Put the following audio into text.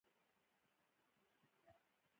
د مسلکي کسانو نشتون ستونزه ده.